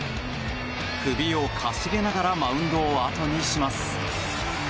首をかしげながらマウンドをあとにします。